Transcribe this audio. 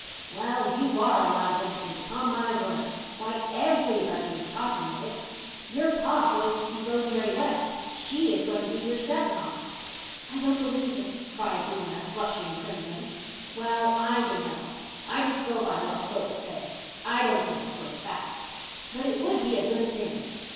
"Well, you are a lot of innocents, upon my word. Why, _every_body is talking of it. Your pa goes to see Rosemary West. She is going to be your step ma." "I don't believe it," cried Una, flushing crimson. "Well, I dunno. I just go by what folks say. I don't give it for a fact. But it would be a good thing.